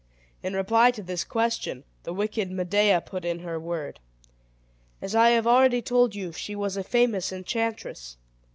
In reply to this question, the wicked Medea put in her word. As I have already told you, she was a famous enchantress.